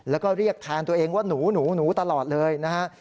แล้วก็เรียกแทนตัวเองว่าหนูตลอดเลยนะฮะ